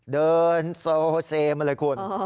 เดินโซเซมาเลยคุณ